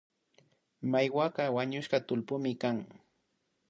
Maiwaka wañushka tullpuymi kan